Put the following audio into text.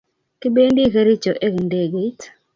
Kibendi Kericho eng ndegeit